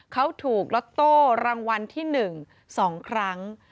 เขาถูกล็อตโต้รางวัลที่๑๒ครั้ง